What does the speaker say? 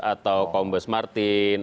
atau kombes martin